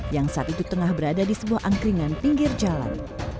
yang saat itu tengah berada di sebuah angkringan pinggir jalan